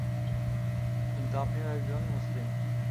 কিন্তু আপনিও একজন মুসলিম।